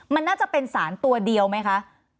มันน่าจะเป็นสารตัวเดียวไหมคะ